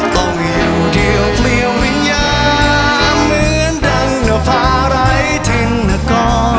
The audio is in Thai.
ต้องอยู่เดียวเคลียววิญญาณเหมือนดังหน้าฟ้าไร้ทิ้งมาก่อน